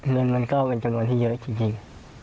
เงินมันก็เป็นจำนวนที่เยอะจริง